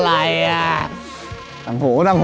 เก้าสิงหามั้งอ่ะ